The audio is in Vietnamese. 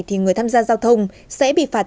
thì người tham gia giao thông sẽ bị phạt